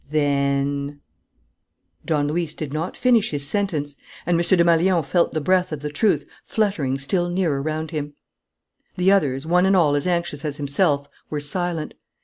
"Then " Don Luis did not finish his sentence; and M. Desmalions felt the breath of the truth fluttering still nearer round him. The others, one and all as anxious as himself, were silent.